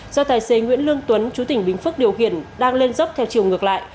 do tài xế nguyễn lương tuấn chú tỉnh bình phước điều khiển đang lên dốc theo chiều ngược lại